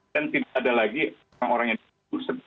dan tidak ada lagi orang yang ditutup